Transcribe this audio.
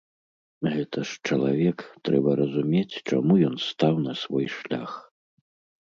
Гэта ж чалавек, трэба разумець, чаму ён стаў на свой шлях.